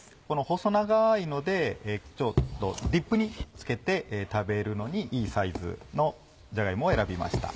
細長いのでディップにつけて食べるのにいいサイズのじゃが芋を選びました。